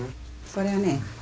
これはね